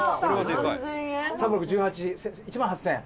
「３×６＝１８１万８０００円？」